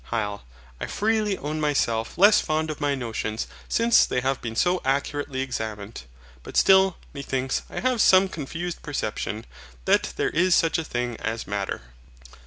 HYL. I freely own myself less fond of my notions since they have been so accurately examined. But still, methinks, I have some confused perception that there is such a thing as MATTER.